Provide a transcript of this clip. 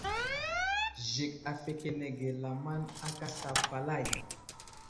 Zik afəkenege lamaŋd aka asla falay.